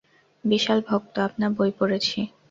বিশাল ভক্ত, আপনার বই পড়েছি।